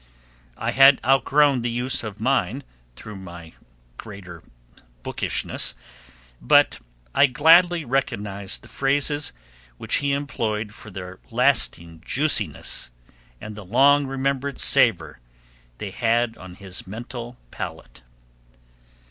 I had outgrown the use of mine through my greater bookishness, but I gladly recognized the phrases which he employed for their lasting juiciness and the long remembered savor they had on his mental palate.